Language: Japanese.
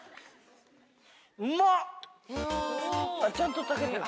ちゃんと炊けてる。